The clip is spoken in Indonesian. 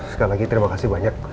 sekali lagi terima kasih banyak